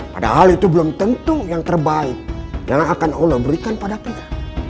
padahal itu belum tentu yang terbaik yang akan allah berikan pada kita